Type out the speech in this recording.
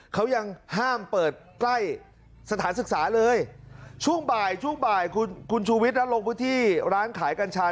เขายังห้ามเปิดใกล้สถานศึกษาเลยช่วงบ่ายช่วงบ่ายคุณคุณชูวิทย์นั้นลงพื้นที่ร้านขายกัญชา